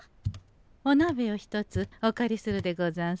おなべを一つお借りするでござんすよ。